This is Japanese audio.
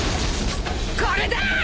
これだ！